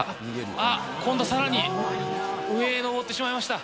あっ、今度さらに、上へ登ってしまいました。